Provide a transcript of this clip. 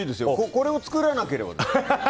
これを作らなければ。